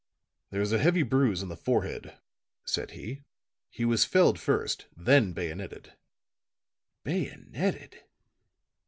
"There is a heavy bruise on the forehead," said he. "He was felled first; then bayoneted." "Bayoneted!"